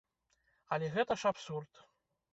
Але гэта ж абсурд.